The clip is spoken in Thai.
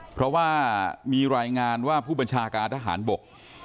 เพราะว่ามีรายงานว่าผู้บัญชาการทหารบก